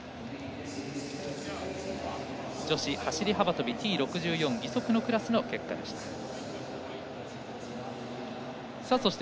女子走り幅跳びＴ６４義足のクラスの結果でした。